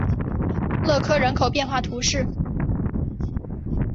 勒科人口变化图示